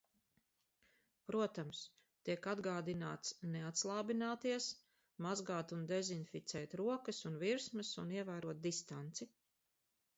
Protams, tiek atgādināts neatslābināties, mazgāt un dezinficēt rokas un virsmas un ievērot distanci.